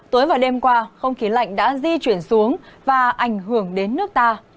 tối và đêm qua không khí lạnh đã di chuyển xuống và ảnh hưởng đến nước ta